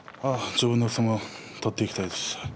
自分の相撲を取っていきたいです。